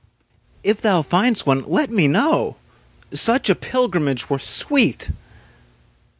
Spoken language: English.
If thou find'st one, let me know; Such a pilgrimage were sweet.